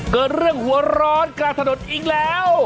เกิดเรื่องหัวร้อนกลางถนนอีกแล้ว